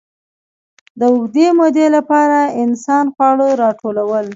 د اوږدې مودې لپاره انسان خواړه راټولول.